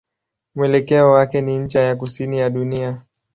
Mwelekeo wake ni ncha ya kusini ya dunia.